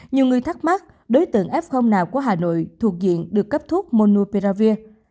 nhiều người thắc mắc đối tượng f nào của hà nội thuộc diện được cấp thuốc monouperavir